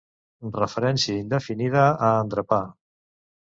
referència indefinida a "endrapar"